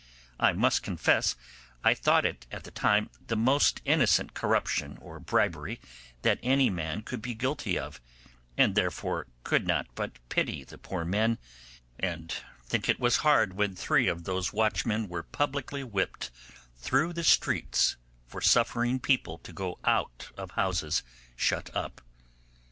I must confess I thought it at that time the most innocent corruption or bribery that any man could be guilty of, and therefore could not but pity the poor men, and think it was hard when three of those watchmen were publicly whipped through the streets for suffering people to go out of houses shut up.